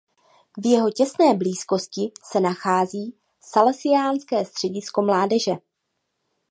V jeho těsné blízkosti se nachází Salesiánské středisko mládeže.